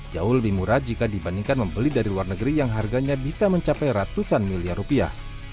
jauh lebih murah jika dibandingkan membeli dari luar negeri yang harganya bisa mencapai ratusan miliar rupiah